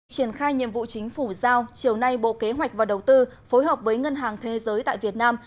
triển khai nhiệm vụ chính phủ giao chiều nay bộ kế hoạch và đầu tư phối hợp với ngân hàng thế giới tại việt nam